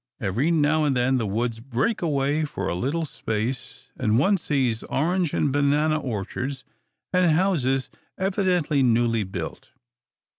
Every now and then the woods break away for a little space, and one sees orange and banana orchards, and houses evidently newly built.